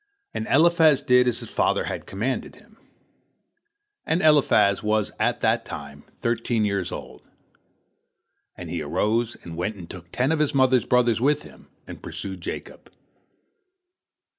And Eliphaz did as his father had commanded him. And Eliphaz was at that time thirteen years old, and he arose and went and took ten of his mother's brothers with him, and pursued Jacob.